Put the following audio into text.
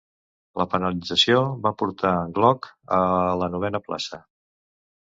La penalització va portar en Glock a la novena plaça.